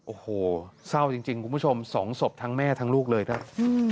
โอ้โหเศร้าจริงคุณผู้ชมสองศพทั้งแม่ทั้งลูกเลยครับ